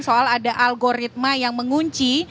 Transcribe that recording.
soal ada algoritma yang mengunci